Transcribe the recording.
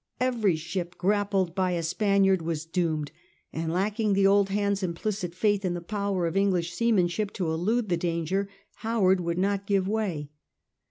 Every ship grappled by a Spaniard was doomed ; and lacking the old hands' implicit faith in the power of English seamanship to elude the danger, Howard would not give way.